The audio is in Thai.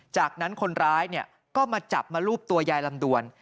จากนั้นคนร้ายก็มาจับมารูปตัวยายลำดวน